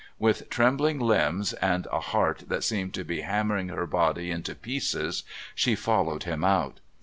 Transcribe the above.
With trembling limbs and a heart that seemed to be hammering her body into pieces she followed him out.